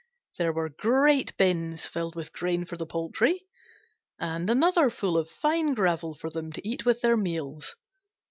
There were great bins filled with grain for the poultry, and another full of fine gravel for them to eat with their meals.